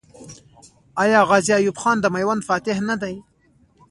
آیا غازي ایوب خان د میوند فاتح نه دی؟